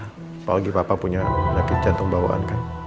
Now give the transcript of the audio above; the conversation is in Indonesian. apalagi papa punya penyakit jantung bawaan kan